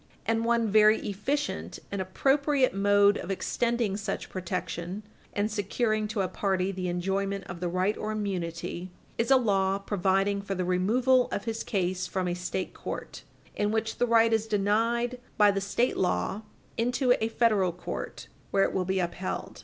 And one very efficient and appropriate mode of extending such protection and securing to a party the enjoyment of the right or immunity is a law providing for the removal of his case from a State court, in which the right is denied by the State law, into a Federal court, where it will be upheld.